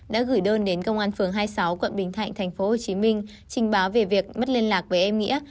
đã gửi đơn đến công an phường hai mươi sáu quận bình thạnh tp hcm trình báo về việc mất liên lạc với em nghĩa